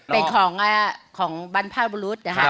เป็นของบรรพบุรุษนะคะ